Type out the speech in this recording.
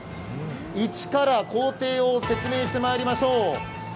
一から工程を説明してまいりましょう。